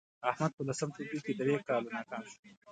احمد په لسم ټولگي کې درې کاله ناکام شو